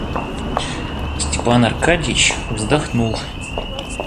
Степан Аркадьич вздохнул.